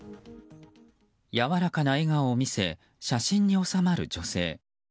やわらかな笑顔を見せ写真に収まる女性。